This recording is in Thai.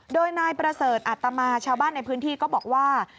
โดยนายประเสริฐอัตมาชาวบ้านในพื้นที่ก็บอกว่า